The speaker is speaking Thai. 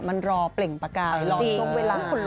มันรอเปล่งประกายรอชมเวลา